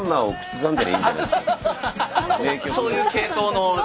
そういう系統の。